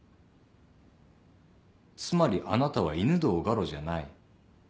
つまりあなたは犬堂ガロじゃない。